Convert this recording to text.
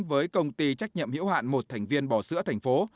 với công ty trách nhiệm hiểu hạn một thành viên bò sữa thành phố